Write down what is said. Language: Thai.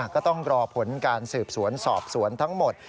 ก็ต้องรอผลการสืบสวนสอบสวนทั้งหมด